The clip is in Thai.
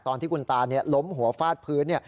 ตอนที่คุณตาล้มหัวฟาดพื้น